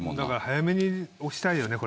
早めに押したいよね